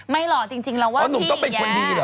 ไม่หรอกจริงเราว่าพี่หญิงแยะอ๋อหนูก็เป็นคนดีเหรอ